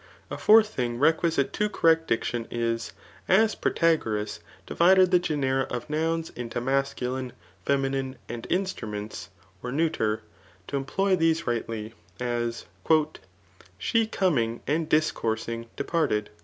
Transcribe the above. A fourth thing requi dte to correct diction is, as Protagoras divided the genera of npuns into masculine, feminine, and instruments [or neuter,] to employ these rightly ; as ^ She conung and discoursing departed."